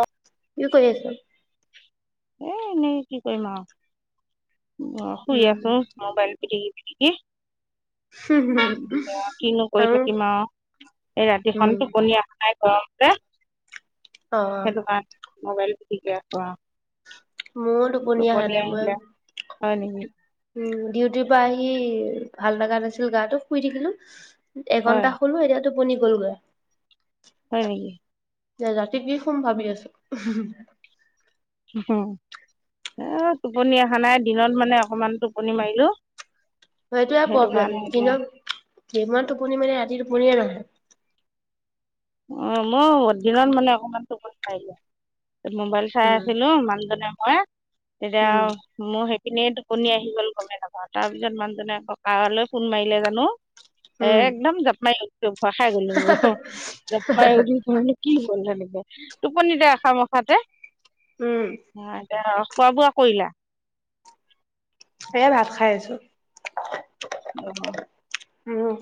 অ কি কৰি আছে। এ এনে কি কৰিম আউ শুই আছো মবাইল। পিটিকি পিতিকি। হ। কিনো কৰি থাকিম আউ এই ৰাতিখন উম, টোপনিয়ে অহা নাই। গৰমতে অ', সেইটো কাৰণে মোবাইল পিতিকি আছোঁ আউ। মোৰ টোপনিয়ে অহা নাই মই। আহিলে হয় নেকি উম্ ডিউটিৰ পৰা আহি। ভাল লগা নাছিল গাটো শুই থাকিলো হয় এঘন্টা শুলোঁ এতিয়াতো টোপনি গলগৈ। হয় নেকি দে ৰাতি কি শুম ভাবি আছ। হু হু হু এ টোপনি অহা নাই দিনত মানে অকমান টোপনি মাৰিলো। সেইটোৱে সেইটো প্ৰব্লেম কাৰণে এতিয়া দিনত। দিনত টোপনি মাৰি ৰাতি টোপনিয়ে নাহে অ মওঁ দিনত মানে অকমান টোপনি মাৰি লও মোবাইল চাই উম, আছিলো মানুহজনে ময়ে তেতিয়া উম, আউ মোওঁ সেইটো। পিনে টোপনি আহি গ'ল গমে নাপাওঁ তাৰ পিছত মানুহজনে আকৌ কালে ফোন মাৰিলে জানো। উম, একদম জাপ মাৰি আহিছোঁ ভয় খাই গ'লো। জাপ মাৰি উঠিছোঁ বোলো কি হ'ল হেনেকে টোপনিতে আশা মখাতে। উম, অ এতিয়া খোৱা বোৱা কৰিলা। এ ভাত খাই আছো। অঁ। উমহু।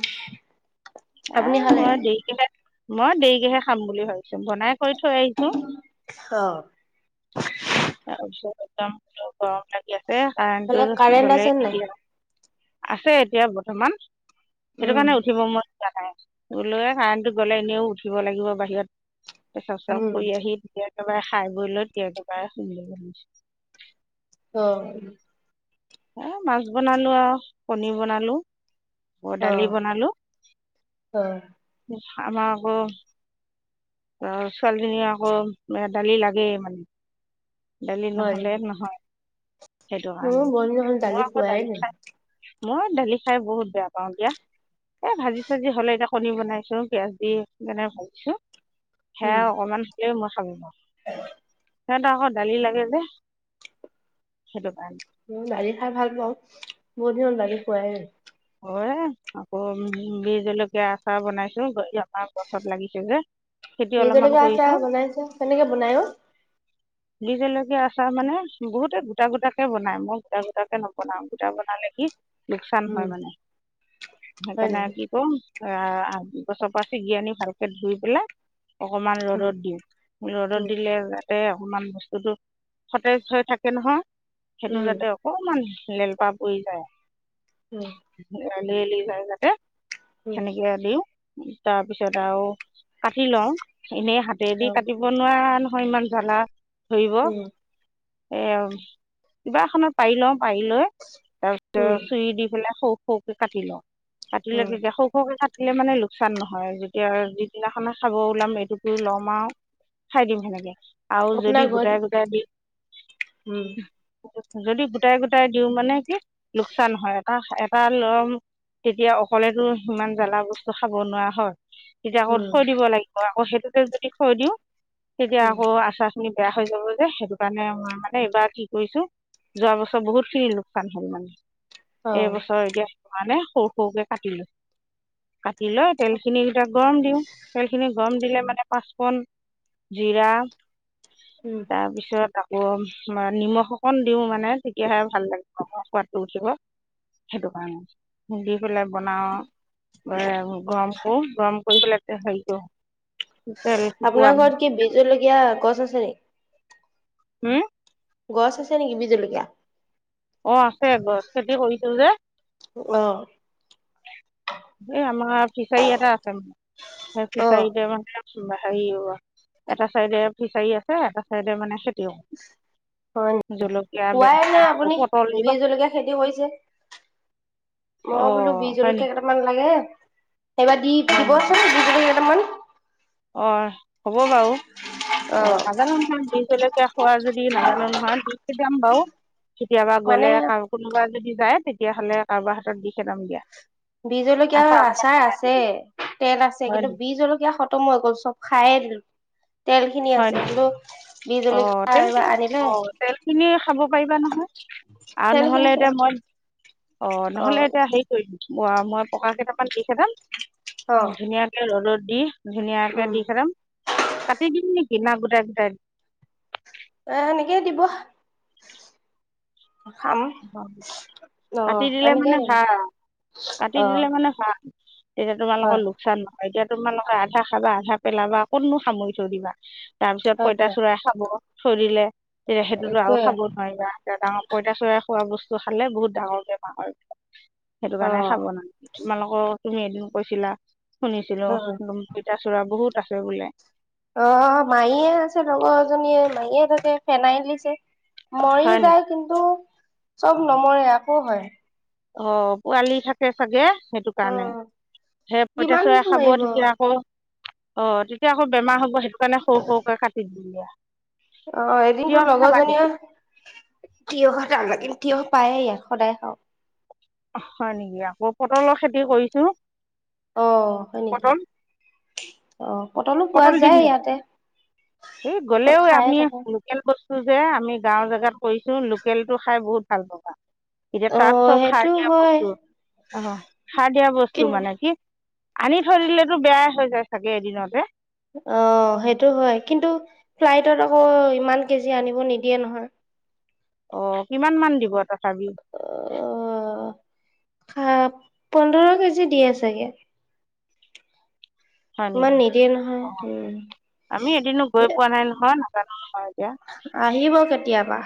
এ মই দেৰিকেহে মই দেৰিকেহে খাম বুলি ভাবিছো বনাই। কৈ থৈ আহিছোঁ। অ', তাৰপিছত একদম গৰম লাগি আছে কাৰেণ্টো এইফালে কাৰেণ্ট গলেই আছে নাই? তেতিয়া। আছে এতিয়া বৰ্তমান সেইটো উম, কাৰণে উঠিব মন গলোৱে কাৰেণটো গলে এনেও উঠিব লাগিব বাহিৰত পেচাব চেচাব উম, কৰি আহি একবাৰে খাই বৈ লৈ একেবাৰে শুম বুলি ভাবিছোঁ। অ'। এ মাছ বনালো আৰু পনিৰ বনালো। আকৌ দালি অ', বনালো অ'। আমাৰ আকৌ অ' ছোৱালীজনীৰ আকৌ দালি লাগে মানে। দালি হয়। নহ'লে নহয়। সেইটো মোৰো কাৰণে। বহুত দিন হ'ল মই আকৌ খোৱাই দালি নাই। খাই মই দালি খাই বহুত বেয়া পাওঁ দিয়া। এ ভাজি-চাজি হ'লে, এতিয়া কণী বনাইছোঁ। পিয়াজ দি যেনকে ভাজিছোঁ। সেয়া অকণমান থাকিলে মই [unintelligible] উ সিহঁতে আকৌ দালি লাগে যে, সেইটো কাৰণে। দালি খাই ভাল পাওঁ। বহুত দিন দালি খোৱাই নাই। কৰে। আকৌ বি- জলকীয়া আচাৰ বনাইছোঁ, এই আমাৰ গছত লাগিছে যে। খেতি অলপমান বিজলকীয়া কৰিছো আছাৰ বনাইছা কেনেকে বনাই অ? বি জলকীয়া আচাৰ মানে, বহুতে গোটা-গোটাকে বনায়। মই গোটা-গোটাকে নবনাওঁ। গোটা বনালে কি লোকচান হয় উম, মানে। হয় সেইকাৰণে নেকি? কি কওঁ অ'- গছৰ পৰা চিঙি আনি ভালকে ধুই পেলাই অকমান উম, ৰ'দত দিওঁ। ৰ'দত উম, দিলে তে অকমান বস্তুটো সতেজ হৈ থাকে নহয়। সেইটো উম, যাতে অকমান লেলপা পৰি যায়। উম। লেৰেলি যায় যাতে, উম, সেনেকে দিওঁ। তাৰপিছত আৰু কাটি লওঁ। এনেই হাতেদি অ', কাটিব নোৱাৰা নহয়, ইমান জ্বলা। ধৰিব উম, এ কিবা এখনত পাৰি লওঁ। পাৰি লৈ তাৰপিছত উম, চুৰি দি পেলাই সৌ সৰুকে কাটি লওঁ। কাটি উম। লবি‌ গে সও সও কে কাট দিলে মানে লোকচান নহয় যেতিয়া যিদিনাখনে খাব ওলাম এইটো লম আও। খাই দিম সেনেকে আৰু যদি আপোনাৰ ঘৰত গোটাই গোটাই দি উম, যদি গোটাই গোটাই দিওঁ মানে কি লোকচান হয় এটা এট- তাৰ লম তেতিয়া অকলেতো সিমান জ্বালা বস্তু খাব নোৱাৰা হয়। তেতিয়া আকৌ উম, থৈ দিব লাগিব আকৌ সেইটোতে যদি থৈ দিওঁ তেতিয়া উম, আকৌ আচাৰ খিনি বেয়া হৈ যাব যে সেইটো কাৰণে মই মানে এইবাৰ কি কৰিছো যোৱা বছৰ বহুতখিনি লোকচান হল মানে। অ। মানে সৰু সৰুকে কাটিলো দি লৈ তেলখিনিক কেইটা গৰম দিওঁ, তেলখিনি গৰম দিলে মানে পাঁচফণ, জিৰা উম। তাৰপিছত আক- গৰম বা নিমখ অকণ দিও মানে তেতিয়াহে ভাল লাগিব অক সোৱাদটো উঠিব। সেইটো কাৰণে, দি পেলাই বনাও এ গৰম কৰো, গৰম কৰি পেলাই তে হেৰি কৰোঁ চ তেল কুকুৰা আপোনাৰ ঘৰত কি বিজলকীয়া গছ আছে নে উম! গছ আছে নেকি বি জলকীয়া অ আছে গছ খেতি কৰিছো যে অ এই আমাৰ ফিচাৰী এটা আছে সেই অ', ফিচাৰীতে মানে হেৰি এটা চাইডে ফিচাৰী আছে এটা চাইডে মানে খেতিও হয় নি কোৱাই নাই আকৌ আপুনি পটল বি এইবিলাক জলকীয়া খেতি কৰিছে মই বোলো অঁ বি হয় নেকি জলকীয়া কেইটামান লাগে সেইবাৰ দি হয় দিবচোন নেকি বি জলকীয়া কেইটামান অ হ'ব বাৰু অ নাজানো নহয় বি জলকীয়া খোৱা যদি নাজানো নহয় দি যাম বাৰু কেতিয়াবা মানে গ'লে কোনোবা যদি যায় তেতিয়া হলে কাৰোবাৰ হাতত দি পথাম দিয়া বি জলকীয়া অকণমান আচাৰ বনাই থৈ আছে দিম তেল আছে হয় কিন্তু নেকি বি জলকীয়া সত খটম হৈ গ'ল চব খাইয়ে দিলো তেল খিনি হয় আছে নেকি কিন্তু বিজ অ জলকীয়া এইবাৰ তেলখিনি আনিলে অ তেলখিনি খাব পাৰিবা নহয় আৰু তেল নহলে খিনি এতিয়া শেষ মই অ নহলে এতিয়া হেৰি কৰিম মই পকা কেইটামান দি পঠাম অ ধুনীয়াকে ৰ'দত দি ধুনীয়াকে উম দি পঠাম কাটি দিম নিকি না গোটাই গোটাই এ সেনেহে দিব খাম অ কাটি দিলে এনেকে মানে দিব ভাল কাটি অ দিলে মানে ভাল তেতিয়া তোমালোকৰ হয় লোকচান নহয় এতিয়া তোমালোকে আধা খাবা আধা পেলাবা কতনো সামৰি থৈ দিবা তাৰপিছত হয়তো পইতা চোৰাই খাব থৈ দিলে তেতিয়া সেইটোত আৰু এইটোৱে খাব নোৱাৰিবা এতিয়া পইতা চোৰাই খোৱা বস্তু খালে বহুত ডাঙৰ বেমাৰ হয় বোলে সেইটো অ কাৰণে খাব নালগে তোমালোকৰ তুমি এদিন কৈছিলা শুনিছিলো উম পইতা চোৰা বহুত আছে বোলে অ মায়ীয়ে আছে লগৰ এজনীয়ে মায়ীয়ে থাকে ফেনাইল দিছে হয় মৰি নেকি যায় কিন্তু চব নমৰে আকৌ হয় অ পোৱালি থাকে চাগে সেইটো অ কাৰণে সেই কিমান পইতাচোৰাই খাব মাৰিব তেতিয়া আকৌ অ তেতিয়া আকৌ বেমাৰ হ'ব সেইটো কাৰণে সৰু সৰুকে কাটি দিলে অ এদিনতো তিয়হ খাবা নেকি লগৰজনীয়ে তিয়হ এটা লাগিল, তিয়হ পায়ে ইয়াত সদায় খাওঁ হয় নেকি? আকৌ পটলৰ খেতি কৰিছোঁ। অ হয় নেকি? পটল অ। পটলো পোৱা পটল দিম। যায় ইয়াতে এ পটল গলেও খায়ে আমি থাকো লোকেল বস্তু যে আমি গাঁৱৰ জেগাত কৰিছো। লোকেলটো খাই বহুত ভাল পাবা। এতিয়া অ তাত চব সাৰ সেইটো দিয়া হয় বস্তু। অহ, সাৰ দিয়া কিন বস্তু মানে কি আনি থৈ দিলেতো বেয়াই হৈ যায় চাগে এদিনতে। অ সেইটো হয়। কিন্তু ফ্লাইটত আকৌ ইমান কেজি আনিব নিদিয়ে নহয়। অ, কিমান মান দিব তথাপিও? অ পোন্ধৰ কেজি দিয়ে চাগে। হয় ইমান নেকি? নিদিয়ে নহয় অ উম আমি এদিনো গৈ পোৱা নাই নহয়, নাজানো নহয়। এতিয়া আহিব কেতিয়াবা।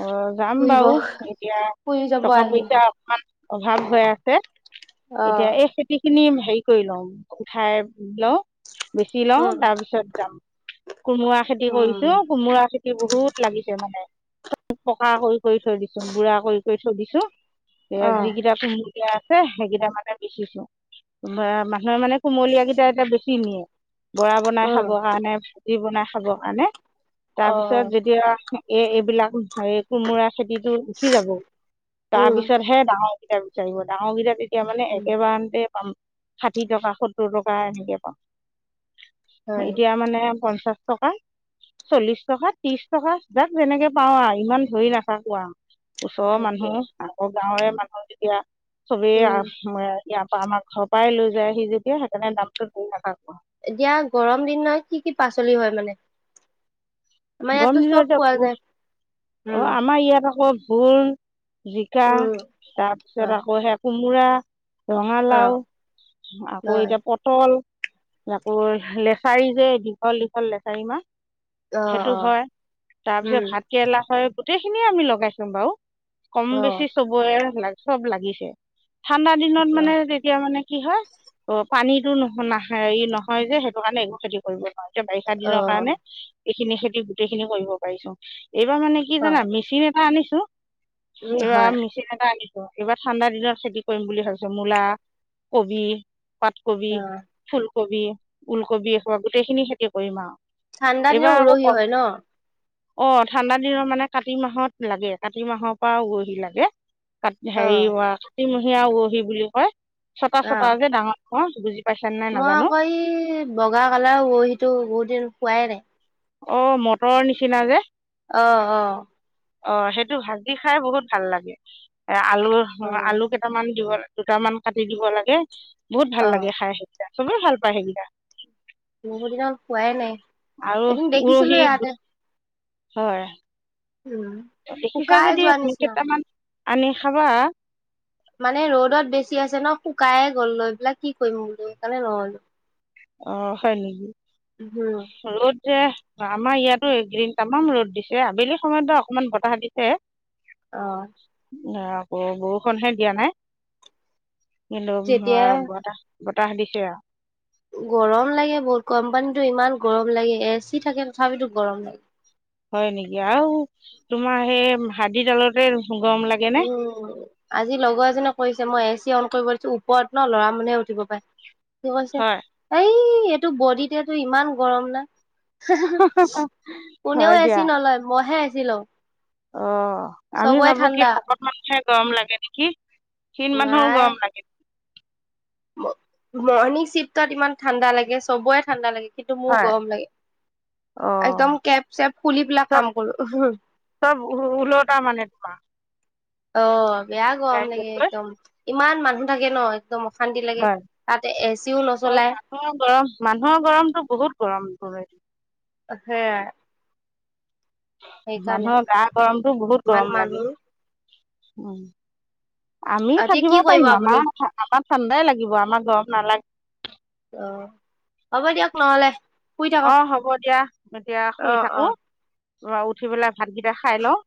অ যাম ফুৰিব বাৰু কেতিয়া ফুৰি যাব টকা আহি পইচা অকমান অভাৱ হৈ আছে। অ এতিয়া এই খেতি খিনি হেৰি কৰি লওঁ, উঠাই লওঁ। বেচি লওঁ, উম তাৰ পিছত যাম। কোমোৰা খেতি কৰিছো, উম কোমোৰা খেতি বহুত লাগিছে মানে। পকা কৰি-কৰি থৈ দিছো, বুঢ়া কৰি-কৰি থৈ দিছো। উম, যিকেইটা কুম সেইকেইটা মানে বেচিছো। মানুহে মানে কুমলীয়া কেইটা এতিয়া বেছি নিয়ে। বৰা বনাই খাব অ', কাৰণে, ভাজি বনাই খাব কাৰণে তাৰপিছত যেতিয়া এই এইবিলাক কোমোৰা খেতিতো উঠি যাব তাৰ উম, পিছতহে ডাঙৰকেইটা বিচাৰিব ডাঙৰকেইটা এতিয়া মানে উম একেবাৰতে পাম। ষাঠি টকা, সত্তৰ টকা এনেকে পাম। হয় নি? এতিয়া মানে পই পঞ্চাছ টকা, চল্লিছ টকা, ত্ৰিশ টকা যাক যেনেকে পাও আৰু ইমান ধৰি নাথাকো আৰু। ওচৰৰ মানুহ আকৌ গাঁৱৰে মানুহ যেতিয়া চবেই উম, আহ ইয়াৰ পৰা আমাৰ ঘৰ পৰাই লৈ যাইহি যেতিয়া সেইকাৰণে দামটো ধৰি নাথাকোঁ। এতিয়া গৰম দিন নহয়। কি-কি পাচলি হয় মানে? আমাৰ গৰম ইয়াততো চব দিনতে পোৱা অ যায়। উম, আমাৰ ইয়াত আকৌ ভোল, জিকা উম, তাৰপিছত হয়, আকৌ সেইয়া কোমোৰা অ', ৰঙালাও, আকৌ হয়, এতিয়া পটল আকৌ লেচাৰী যে দীঘল-দীঘল লেচাৰী মাহ অ', সেইটো অ', হয়। তাৰ পিছত উম, ভাত কেৰেলা হয়। গোটেইখিনিয়ে আমি লগাইছো বাও। কম অ', বেছি চবৰে চব লাগিছে। ঠাণ্ডা দিনত অ', মানে তেতিয়া মানে কি হয়, অ পানীতো নহ নাহ নহয় যে সেইটো কাৰণে একো খেতি কৰিব নোৱাৰে। এতিয়া বাৰিষা দিনৰ অ', কাৰণে এইখিনি খেতি গোটেই খিনি কৰিব পাৰিছো। এইবাৰ মানে কি জানা, হয়, মেচিন এটা আনিছো উম, এইবাৰ হয়, মেচিন এটা আনি এইবাৰ ঠাণ্ডা দিনত খেতি কৰিম বুলি ভাবিছো। মূলা, কবি পাতকবি, অ', ফুলকবি, ওলকবি এইবাৰ গোটেইখিনি খেতি কৰিম আও। ঠাণ্ডা দিনত উৰহি হয় ন? অ ঠাণ্ডা দিনৰ মানে কাতি মাহত লাগে। কাতি মাহৰ পৰা উৰহী লাগে। ক হেৰি অ', কাতিমহিয়া উৰহি বুলিওঁ কয়। ছটা ছটা অ', যে ডাঙৰ খ বুজি পাইছা নাই মই নাজানো আকৌ এই বগা কালাৰ উৰহিটো বহুত দিন খোৱাই নাই। অ মটৰ নিচিনা যে আহ আহ অ, সেইটো ভাজি খাই বহুত ভাল লাগে। এ আলু, অ', আলু কেইটামান দিব দুটামান কাটি দিব লাগে, বহুত ভাল লাগে অ', খাই সেইকেইটা। চবে ভাল পায় সেইকেইটা। বহুত দিন হল পোৱাই নাই। আৰু এদিন দেখিছিলোঁ উৰহী, ইয়াতে। হয় উম দেখিছা শুকাই যদি যোৱা সো নিচিনা কেইটামান আনি খাবা। মানে ৰ'দত বেছি হৈছে ন শুকাই গ'ল লৈ এইবিলাক কি অ হয় নেকি? হম যে আমাৰ ইয়াতো এইকেইদিন তামাম ৰদ দিছে আবেলি সময়ত অকমান বতাহ দিছে আহ আকৌ বৰষুণহে দিয়া নাই কিন্তু ব যেতিয়া বতাহ বতাহ দিছে আৰু গৰম লাগে বহুত কোম্পানীতো ইমান গৰম লাগে এ চি থাকে তথাপিতো গৰম লাগে হয় নেকি আৰু তোমাৰ সেই হাড়ি ডালতে গৰম লাগে নে উম আজি লগৰ এজনে কৰিছে মই এ চি অন কৰিব দিছোঁ ওপৰত ন লৰা মানুহে উঠিব পায়। ‌কি হয় কৈছে এই সেইটো বডিতেটো ইমান গৰম না হয় কোনেও এ দিয়া ছি নলয় মইহে এ চি লও অ আমি ভাবো কি শকত মানুহে গৰম লাগে নেকি? খিন মানুহো নাই গৰম লাগে মৰ্ণিং চিফ্টত ইমান ঠাণ্ডা লাগে সবৰে ঠাণ্ডা লাগে কিন্তু মোৰ হয় গৰম লাগে অ একদম কেব চেপ খুলি পেলাক চব কাম কৰো চব ওলটা মানে তোমাৰ অ বেয়া গৰম লাগে ৰাইজতকৈ একদম ইমান মানুহ থাকে ন একদম অশান্তি লাগে হয় তাতে এ চিও অ নচলায় মানুহৰ গৰম মানুহৰ গৰমটো বহুত গৰম সেয়াই সেইকাৰণে মানুহৰ গা গৰমতটো বহুত ইমান গৰম লাগে। মানুহ উ আমি এতিয়া কি থাকিব কৰিব পাৰিম আপুনি আমাৰ আমাৰ ঠাণ্ডাই লাগিব আমাৰ গৰম নালাগে। অ হ'ব দিয়ক নহ'লে শুই অ থাকক হ'ব দিয়া এতিয়া শুই অ থাকো। অ উঠি পেলাই ভাতকেইটা খাই লওঁ।